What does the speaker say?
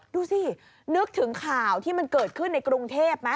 ดูสินึกถึงข่าวที่มันเกิดขึ้นในกรุงเทพไหม